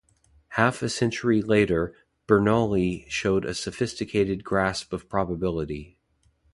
Half a century later, Bernoulli showed a sophisticated grasp of probability.